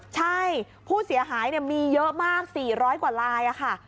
ใช่ผู้เสียหายมีเยอะมาก๔๐๐กว่าลายค่ะ